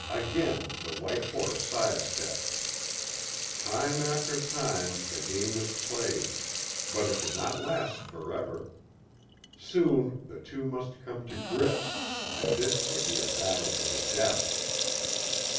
Again the white horse sidestepped. Time after time, the game was played, but it could not last forever. Soon the two must come to grips, and this would be a battle to the death.